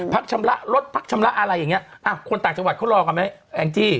ชำระรถพักชำระอะไรอย่างเงี้อ่ะคนต่างจังหวัดเขารอกันไหมแองจี้